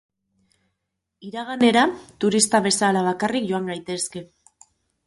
Iraganera turista bezala bakarrik joan gaitezke.